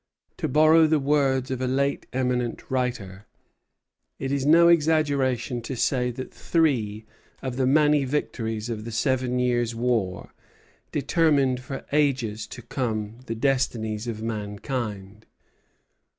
To borrow the words of a late eminent writer, "It is no exaggeration to say that three of the many victories of the Seven Years War determined for ages to come the destinies of mankind.